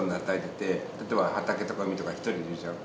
例えば畑とか海とか１人でいるじゃん？